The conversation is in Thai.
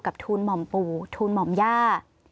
ทูลหม่อมปู่ทูลหม่อมย่า